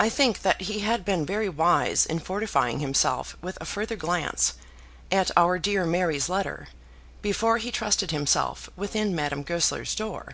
I think that he had been very wise in fortifying himself with a further glance at our dear Mary's letter, before he trusted himself within Madame Goesler's door.